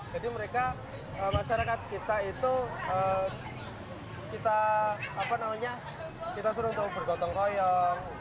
jadi mereka masyarakat kita itu kita apa namanya kita suruh untuk bergotong koyong